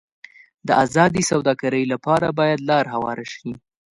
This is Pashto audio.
د ازادې سوداګرۍ لپاره باید لار هواره شي.